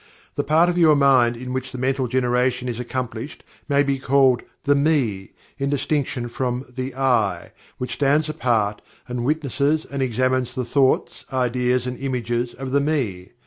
The part of your mind in which the mental generation is accomplished may be called the "Me" in distinction from the "I" which stands apart and witnesses and examines the thoughts, ideas and images of the "Me."